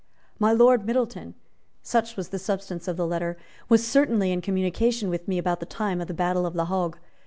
"My Lord Middleton," such was the substance of the letter, "was certainly in communication with me about the time of the battle of La Hogue.